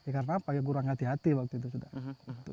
karena pakai guru yang hati hati waktu itu